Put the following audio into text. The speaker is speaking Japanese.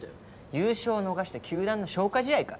優勝逃した球団の消化試合か！